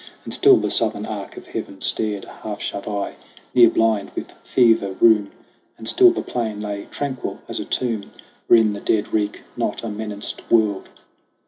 And still the southern arc of heaven stared, A half shut eye, near blind with fever rheum ; And still the plain lay tranquil as a tomb Wherein the dead reck not a menaced world.